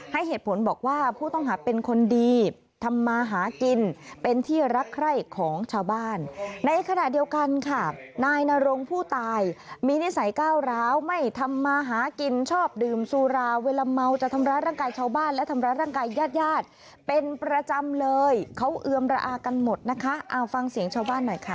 ให้เหตุผลบอกว่าผู้ต้องหาเป็นคนดีทำมาหากินเป็นที่รักใคร่ของชาวบ้านในขณะเดียวกันค่ะนายนรงผู้ตายมีนิสัยก้าวร้าวไม่ทำมาหากินชอบดื่มสุราเวลาเมาจะทำร้ายร่างกายชาวบ้านและทำร้ายร่างกายญาติญาติเป็นประจำเลยเขาเอือมระอากันหมดนะคะเอาฟังเสียงชาวบ้านหน่อยค่ะ